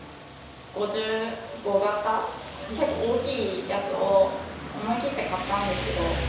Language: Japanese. ５５型、結構大きいやつを、思い切って買ったんですけど。